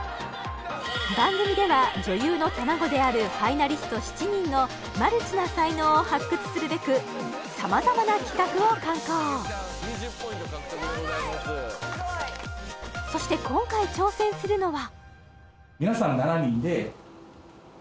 番組では女優の卵であるファイナリスト７人のマルチな才能を発掘するべく様々な企画を敢行そして今回挑戦するのは・